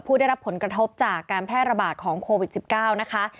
ได้รับผลกระทบจากการแพร่ระบาดของโควิด๑๙นะคะ